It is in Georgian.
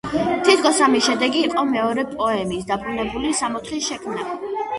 თითქოს ამის შედეგი იყოს მეორე პოემის, „დაბრუნებული სამოთხის“ შექმნა.